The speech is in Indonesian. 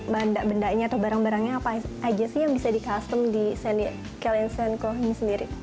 benda bendanya atau barang barangnya apa aja sih yang bisa di custom di kelin cenko ini sendiri